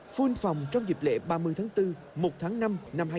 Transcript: phun phòng trong dịp lễ ba mươi tháng bốn một tháng năm năm hai nghìn hai mươi bốn